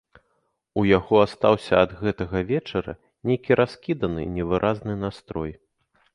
У яго астаўся ад гэтага вечара нейкі раскіданы, невыразны настрой.